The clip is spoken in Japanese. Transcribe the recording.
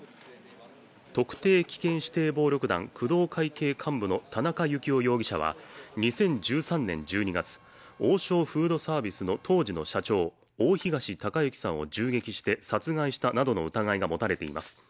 特定危険指定暴力団、工藤会系幹部の田中幸雄容疑者は２０１３年１２月、王将フードサービスの当時の社長・大東隆行さんを銃撃して殺害した疑いなどが持たれています。